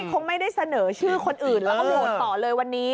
คงไม่ได้เสนอชื่อคนอื่นแล้วก็โหวตต่อเลยวันนี้